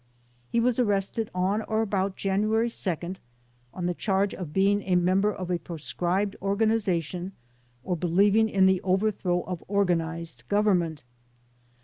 He was arrested on or about January 2nd on the charge of being a member of a pro scribed organization or believing in the overthrow of organized government.